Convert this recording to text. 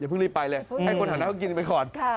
อย่าเพิ่งรีบไปเลยให้คนข้างหน้าก็กินไปก่อน